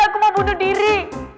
aku mau bunuh diri